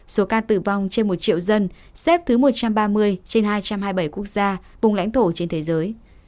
số ca tử vong trên một triệu dân xếp thứ một trăm ba mươi trên hai trăm hai mươi bảy quốc gia vùng lãnh thổ trên thế giới